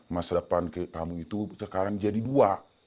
masa depan kamu itu sekarang jadi dua